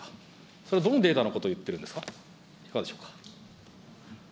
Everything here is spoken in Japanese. それ、どのデータのことを言っているんですか、いかがでしょうか。